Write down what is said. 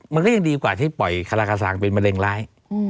มันก็ยังดีกว่าที่ปล่อยคาราคาเป็นมะเร็งร้าย